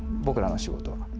僕らの仕事は。